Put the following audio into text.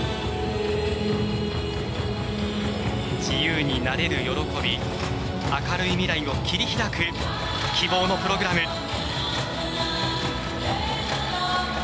自由になれる喜び明るい未来を切り開く希望のプログラム。